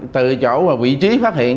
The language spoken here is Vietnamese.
từ chỗ và vị trí phát hiện